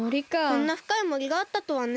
こんなふかいもりがあったとはね。